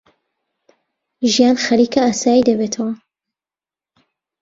ژیان خەریکە ئاسایی دەبێتەوە.